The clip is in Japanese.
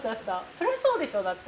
そらそうでしょだって。